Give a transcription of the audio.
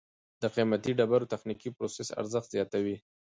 د قیمتي ډبرو تخنیکي پروسس ارزښت زیاتوي.